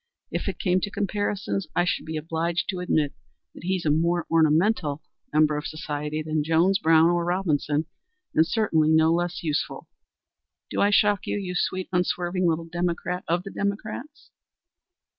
If it came to comparisons, I should be obliged to admit that he's a more ornamental member of society than Jones, Brown, or Robinson, and certainly no less useful. Do I shock you you sweet, unswerving little democrat of the democrats?"